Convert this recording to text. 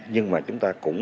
nhưng mà chúng ta cũng